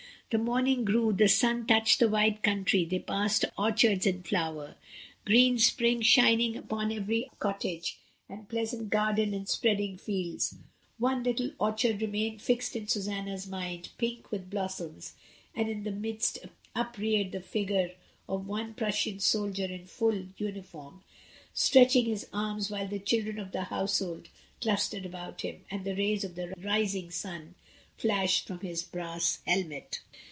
The morning grew, the sunrise touched the wide country, they passed orchards in flower, green spring shining upon every cottage, and pleasant garden and spreading fields. One little orchard re mained fixed in Susanna's mind, pink with blos soms, and in the midst upreared the figure of a Prussian soldier in full uniform, stretching his ancs while the children of the household clustered round about him, and the rays of the rising sun flashed from his brass helmet.